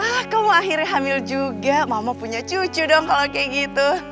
ah kamu akhirnya hamil juga mama punya cucu dong kalau kayak gitu